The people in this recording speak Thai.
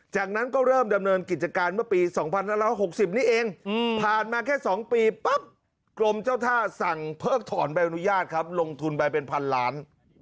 จากนั้นก็เริ่มดำเนินกิจการเมื่อปี๒๕๖๐นี้เองผ่านมาแค่๒ปีปั๊บกรมเจ้าท่าสั่งเพิกถอนใบอนุญาตครับลงทุนไปเป็นพันล้าน